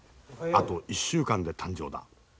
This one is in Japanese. あと１週間で誕生だ。